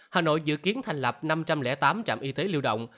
hà nội dự kiến thành lập năm trăm linh tám trạm y tế lưu động